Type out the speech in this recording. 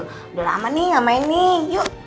udah lama nih gak main nih yuk